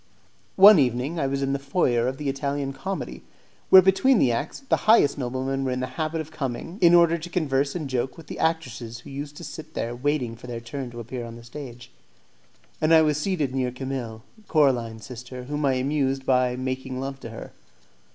One evening I was in the foyer of the Italian Comedy, where between the acts the highest noblemen were in the habit of coming, in order to converse and joke with the actresses who used to sit there waiting for their turn to appear on the stage, and I was seated near Camille, Coraline's sister, whom I amused by making love to her.